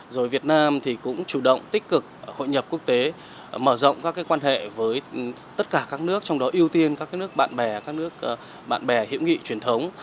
rồi việt nam thì cũng chủ động tích cực hội nhập quốc tế mở rộng các quan hệ với tất cả các nước trong đó ưu tiên các nước bạn bè các nước bạn bè hữu nghị truyền thống